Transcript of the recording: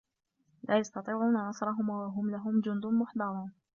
لا يَستَطيعونَ نَصرَهُم وَهُم لَهُم جُندٌ مُحضَرونَ